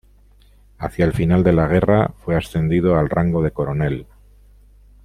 Hacia el final de la guerra fue ascendido al rango de coronel.